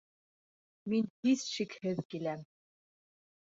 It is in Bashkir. Мин һис шикһеҙ киләм